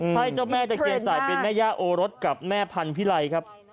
ให้เจ้าแม่ตะเคียนสายเป็นแม่ย่าโอรสกับแม่พันธิไลครับ